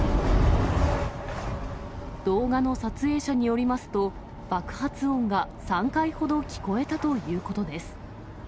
動画の撮影者によりますと、爆発音が３回ほど聞こえたということです。